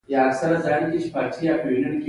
زه اوس اخته یم باره به زنګ در ووهم